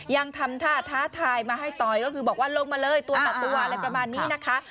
ยังทำท่าท้าทายมาให้ต่อยก็คือบอกว่าลงมาเลยตัวต่อตัวอะไรประมาณนี้นะคะ